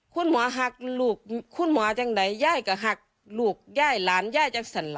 คุณหมอหักลูกคุณหมอจังใดย่ายก็หักลูกย่ายหลานย่ายจากสละ